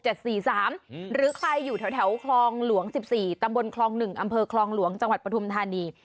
หรือใครอยู่แถวคลองหลวง๑๔ตำบลคลอง๑อำเภอคลองหลวงจังหวัดปฐุมธานี